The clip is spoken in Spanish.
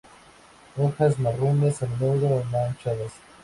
Hojas marrones a menudo manchadas.